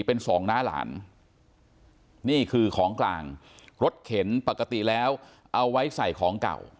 เป็นสองน้าหลานนี่คือของกลางรถเข็นปกติแล้วเอาไว้ใส่ของเก่า